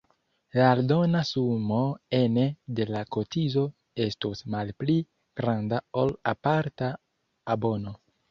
La aldona sumo ene de la kotizo estus malpli granda ol aparta abono.